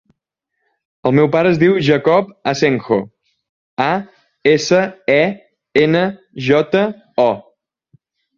El meu pare es diu Jacob Asenjo: a, essa, e, ena, jota, o.